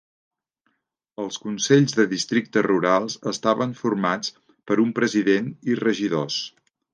Els consells de districte rurals estaven formats per un president i regidors.